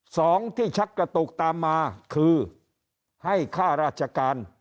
สองที่ชักกระตุกตามมาคือให้ค่าราชการ